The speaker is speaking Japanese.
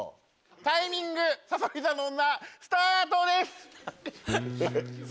タイミングさそり座の女スタートです！